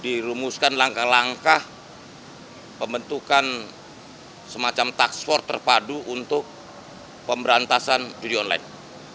dirumuskan langkah langkah pembentukan semacam taksford terpadu untuk pemberantasan judi online